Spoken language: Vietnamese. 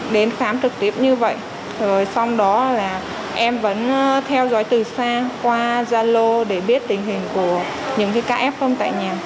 đến khám trực tiếp như vậy rồi xong đó là em vẫn theo dõi từ xa qua gia lô để biết tình hình của những cái cá ép không tại nhà